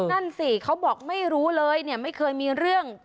นั่นสิเขาบอกไม่รู้เลยเนี่ยไม่เคยมีเรื่อง